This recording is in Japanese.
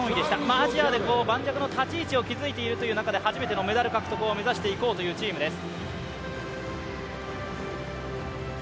アジアで盤石の立ち位置を築いているという中で初めてのメダル獲得を目指していこうというチームです。